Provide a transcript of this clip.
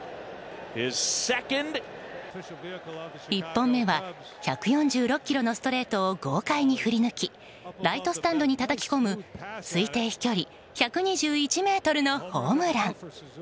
１本目は、１４６キロのストレートを豪快に振り抜きライトスタンドにたたき込む推定飛距離１２１ｍのホームラン。